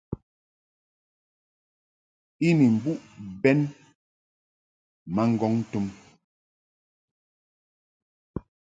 I ni mbuʼ bɛn ma ŋgɔŋ tum.